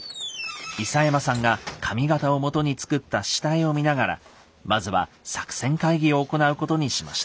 諫山さんが紙形をもとに作った下絵を見ながらまずは作戦会議を行うことにしました。